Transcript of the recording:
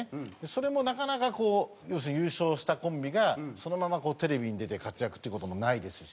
それもなかなかこう要するに優勝したコンビがそのままテレビに出て活躍っていう事もないですし。